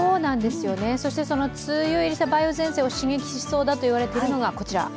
そして梅雨入りした梅雨前線を刺激しそうだといわれているのがこちら。